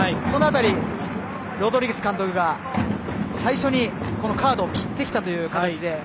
その辺り、ロドリゲス監督が最初にカードを切ってきたという形で。